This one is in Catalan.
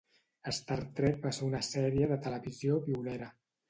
Star trek va ser una sèrie de televisió pionera